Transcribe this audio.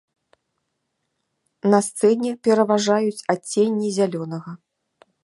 На сцэне пераважаюць адценні зялёнага.